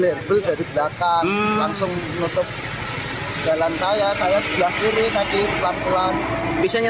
langsung nutup jalan jalan ini